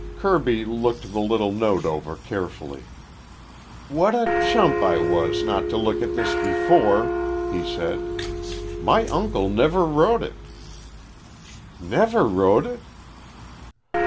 Kirby looked the little note over carefully. "What a chump I was not to look at this before," he said. "My uncle never wrote it." "Never wrote it?"